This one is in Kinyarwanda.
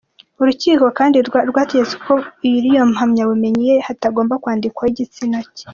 Urukiko kandi rwategetse ko kuri iyo mpamyabumenyi ye hatagomba kwandikwaho igitsina cye.